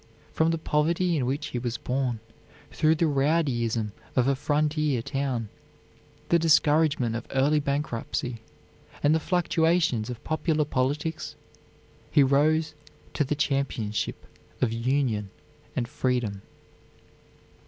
From the poverty in which he was born, through the rowdyism of a frontier town, the discouragement of early bankruptcy, and the fluctuations of popular politics, he rose to the championship of union and freedom.